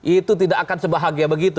itu tidak akan sebahagia begitu